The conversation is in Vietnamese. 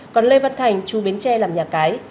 còn lê văn thành chú bến tre làm nhà cái